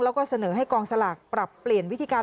แล้วก็เสนอให้กองสลากปรับเปลี่ยนวิธีการ